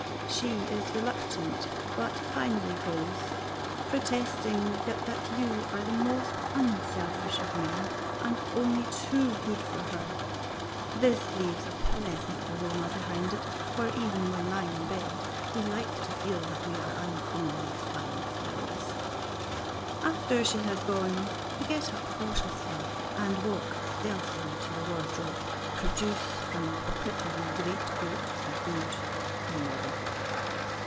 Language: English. She is reluctant, but finally goes, protesting that you are the most unselfish of men, and only too good for her. This leaves a pleasant aroma behind it, for even when lying in bed, we like to feel that we are uncommonly fine fellows. After she has gone you get up cautiously, and, walking stealthily to the wardrobe, produce from the pocket of your great coat a good novel.